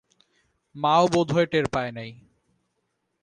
মাও বোধ হয় টের পায় নাই।